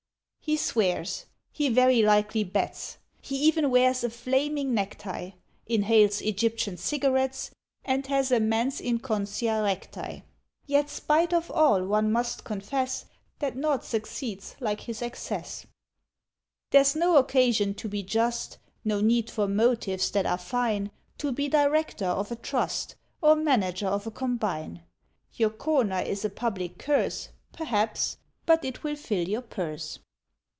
He swears; he very likely bets; He even wears a flaming necktie; Inhales Egyptian cigarettes And has a "Mens Inconscia Recti"; Yet, spite of all, one must confess That naught succeeds like his excess. There's no occasion to be Just, No need for motives that are fine, To be Director of a Trust, Or Manager of a Combine; Your corner is a public curse, Perhaps; but it will fill your purse.